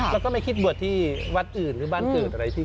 แล้วก็ไม่คิดบวชที่วัดอื่นหรือบ้านเกิดอะไรที่